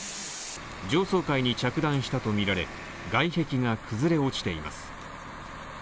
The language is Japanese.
上層階に着弾したとみられ外壁が崩れ落ちています。